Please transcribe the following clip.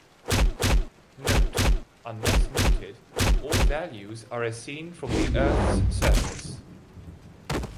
Note: Unless noted, all values are as seen from the Earth's surface.